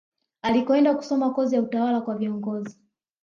Alikoenda kusoma kozi ya utawala kwa viongozi